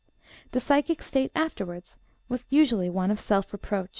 The psychic state afterwards was usually one of self reproach. (O.